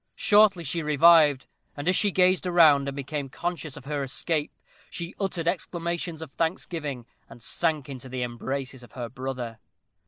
Shortly she revived, and as she gazed around, and became conscious of her escape, she uttered exclamations of thanksgiving, and sank into the embraces of her brother.